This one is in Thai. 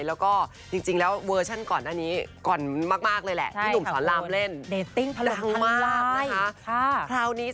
แล้วก็จริงแล้วเวอร์ชั่นก่อนอันนี้